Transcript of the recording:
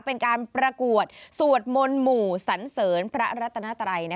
เป็นการประกวดสวดมนต์หมู่สันเสริญพระรัตนาไตร